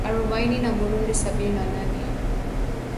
arobaini na Burundi sabini na nane